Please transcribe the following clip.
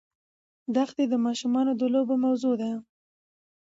دښتې د ماشومانو د لوبو موضوع ده.